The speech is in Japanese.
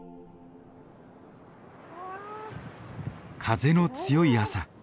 風の強い朝。